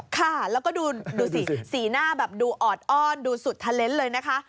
ค่ะแล้วก็ดูสิสีหน้าแบบดูออดอ้อนดูสุดเทลนส์เลยนะคะ